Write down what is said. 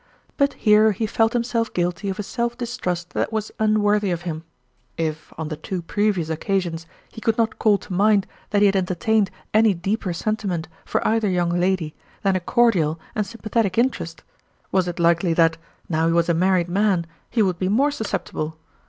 But here he felt himself guilty of a self distrust that was unworthy of him. If, on the two previous occasions, he could not call to mind that he had entertained any deeper sentiment for either young lady than a cordial and sympathetic interest, was it likely that, now he was a married man, he would be more suscepti ble